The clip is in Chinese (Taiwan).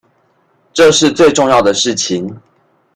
這是最重要的事情